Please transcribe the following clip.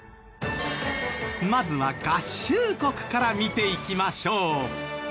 まずは合衆国から見ていきましょう！